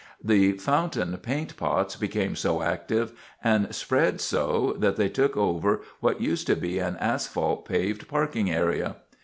The Fountain Paint Pots became so active, and spread so, that they took over what used to be an asphalt paved parking area.